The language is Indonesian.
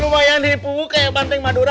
lumayan lipu kayak banting madura